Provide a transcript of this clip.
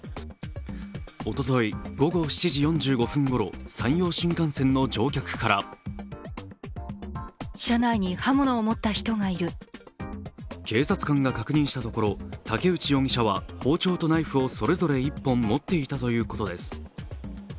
おととい午後７時４５分ごろ、山陽新幹線の乗客から警察官が確認したところ竹内容疑者は包丁とナイフをそれぞれ１本持っていたということです。